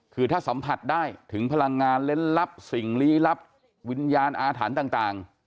คือถ้าสัมผัสได้ถึงพลังงานเล่นลับสิ่งลี้ลับวิญญาณอาถรรพ์ต่าง